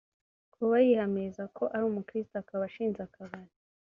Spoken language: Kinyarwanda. Kuba yihamiriza ko ari umukristo akaba ashinze akabari